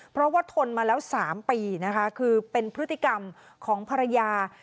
เพราะว่าทนมาแล้ว๓ปีนะคะคือเป็นพฤติกรรมของภรรยา